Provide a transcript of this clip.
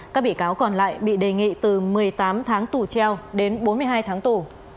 các bị cáo còn lại bị đề nghị từ một mươi tám tháng tù treo đến bốn mươi hai tháng tù